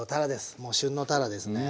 もう旬のたらですね。